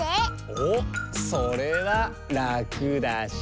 おっそれはラクだし。